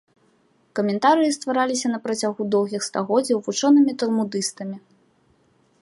Каментарыі ствараліся на працягу доўгіх стагоддзяў вучонымі талмудыстамі.